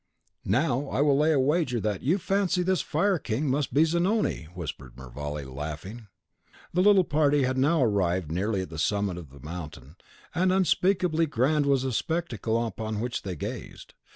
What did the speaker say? "Now will I lay a wager that you fancy this fire king must be Zanoni," whispered Mervale, laughing. The little party had now arrived nearly at the summit of the mountain; and unspeakably grand was the spectacle on which they gazed.